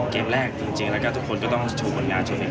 เกมแรกจริงแล้วก็ทุกคนก็ต้องโชว์ผลงานชุดหนึ่ง